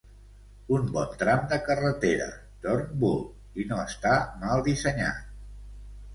Un bon tram de carretera, Turnbull, i no està mal dissenyat.